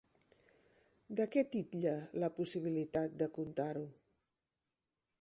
De què titlla la possibilitat de contar-ho?